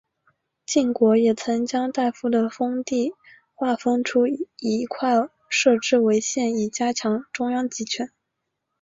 晋国也曾将大夫的封地划分出一块设置为县以加强中央集权。